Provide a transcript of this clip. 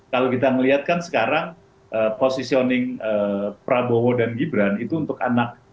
kalau kita melihatkan sekarang positioning prabowo dan gibran itu untuk anak